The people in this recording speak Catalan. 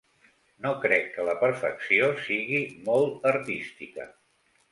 No crec que la perfecció sigui molt artística.